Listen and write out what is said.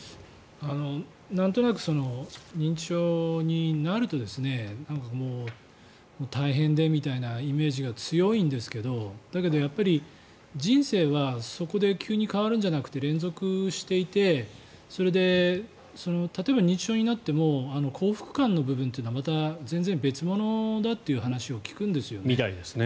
なんとなく認知症になるともう大変でみたいなイメージが強いんですけどだけど人生はそこで急に変わるんじゃなくて連続していて例えば認知症になっても幸福感の部分というのはまた全然、別物だという話を聞くんですね。